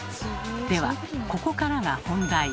ではここからが本題。